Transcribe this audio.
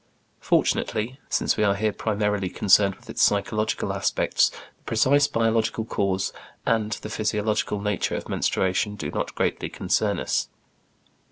" Fortunately, since we are here primarily concerned with its psychological aspects, the precise biological cause and physiological nature of menstruation do not greatly concern us.